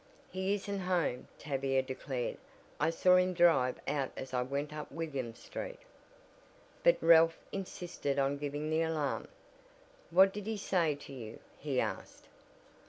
"He isn't home," Tavia declared. "I saw him drive out as I went up William Street." But Ralph insisted on giving the alarm. "What did he say to you?" he asked.